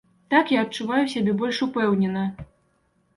Так я адчуваю сябе больш упэўнена.